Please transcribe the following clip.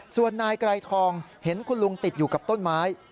ส่วนนายไกรทองเห็นคุณลุงติดอยู่กับต้นไม้